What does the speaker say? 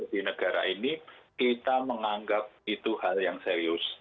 di negara ini kita menganggap itu hal yang serius